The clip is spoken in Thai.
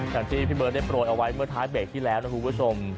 อย่างที่พี่เบิร์ตได้โปรยเอาไว้เมื่อท้ายเบรกที่แล้วนะคุณผู้ชม